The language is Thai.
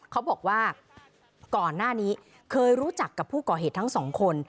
เขาบอกว่าก่อนหน้านี้เคยรู้จักกับผู้ก่อเหตุทั้งสองคน